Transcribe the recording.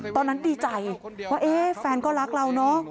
ตอนนั้นดีใจว่าเอ๊ะแฟนก็รักเราเนอะ